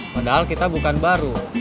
padahal kita bukan baru